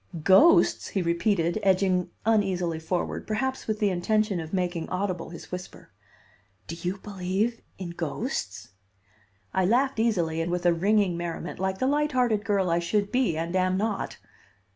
"Ghosts!" he repeated, edging uneasily forward, perhaps with the intention of making audible his whisper: "Do you believe in ghosts?" I laughed easily and with a ringing merriment, like the light hearted girl I should be and am not.